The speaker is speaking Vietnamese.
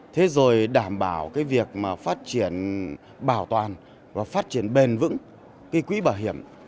thế rồi đảm bảo cái việc mà phát triển bảo toàn và phát triển bền vững cái quỹ bảo hiểm